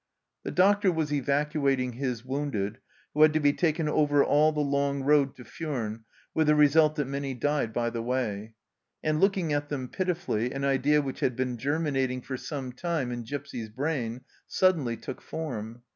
The doctor was evacuating his wounded, who had to be taken over all the long road to Furnes, with the result that many died by the way, and, looking at them pitifully, an idea which had been germinating for some time in Gipsy's brain suddenly took form.